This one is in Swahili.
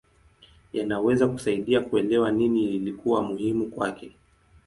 Yanaweza kusaidia kuelewa nini ilikuwa muhimu kwake.